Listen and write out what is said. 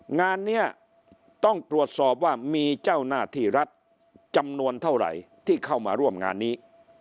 งานนี้ต้องตรวจสอบว่ามีเจ้าหน้าที่รัฐจำนวนเท่าไหร่ที่เข้ามาร่วมงานนี้